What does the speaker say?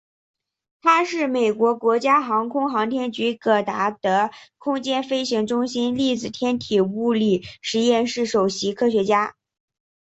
他是美国国家航空航天局戈达德空间飞行中心粒子天体物理实验室首席科学家。